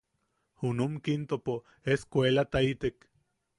Junum Kintopo es- cuelataitek.